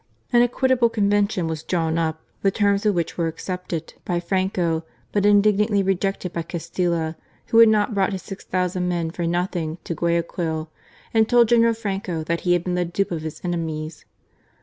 89 An equitable convention was drawn up, the terms of which were accepted by Franco, but indignantly rejected by Castilla, who had not brought his six thousand men for nothing to Guayaquil, and told General Franco that he had been the dupe of his enemies.